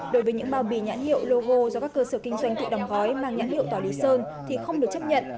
đối với những bao bì nhãn hiệu logo do các cơ sở kinh doanh tự đóng gói mang nhãn hiệu tỏ lý sơn thì không được chấp nhận